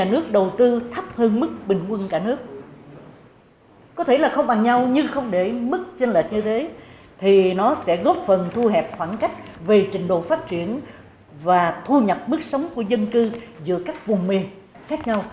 nhưng không để mức trên lệch như thế thì nó sẽ góp phần thu hẹp khoảng cách về trình độ phát triển và thu nhập mức sống của dân cư giữa các vùng miền khác nhau